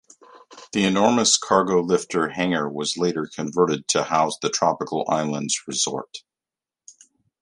The enormous CargoLifter hangar was later converted to house the Tropical Islands Resort.